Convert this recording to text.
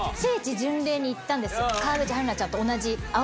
川口春奈ちゃんと。